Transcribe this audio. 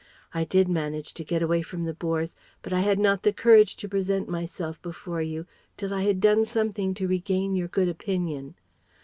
I did manage to get away from the Boers, but I had not the courage to present myself before you till I had done something to regain your good opinion.